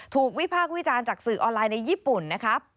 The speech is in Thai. วิพากษ์วิจารณ์จากสื่อออนไลน์ในญี่ปุ่นนะครับ